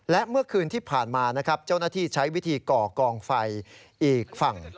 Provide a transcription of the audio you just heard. และเมื่อคืนที่ผ่านมานะครับเจ้าหน้าที่ใช้วิธีก่อกองไฟอีกฝั่ง